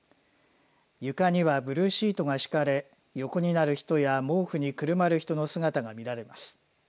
床にはブルーシートが敷かれ横になる人や毛布にくるまる人の姿が見られます。